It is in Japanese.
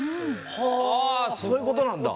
そういうことなんだ。